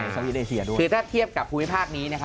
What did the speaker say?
ถ้าเทียบกับภูมิภาคนี้